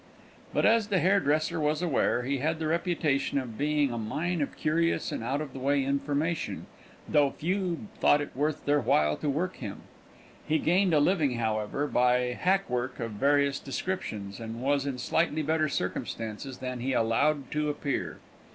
But, as the hairdresser was aware, he had the reputation of being a mine of curious and out of the way information, though few thought it worth their while to work him. He gained a living, however, by hackwork of various descriptions, and was in slightly better circumstances than he allowed to appear.